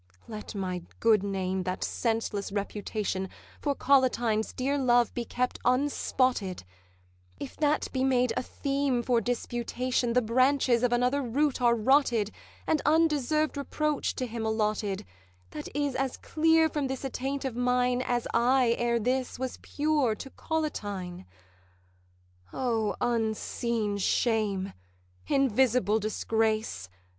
'Let my good name, that senseless reputation, For Collatine's dear love be kept unspotted: If that be made a theme for disputation, The branches of another root are rotted And undeserved reproach to him allotted That is as clear from this attaint of mine As I, ere this, was pure to Collatine. 'O unseen shame! invisible disgrace!